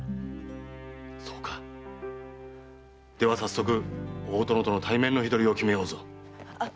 そうかでは早速大殿との対面の日取りを決めようぞ。